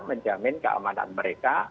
menjamin keamanan mereka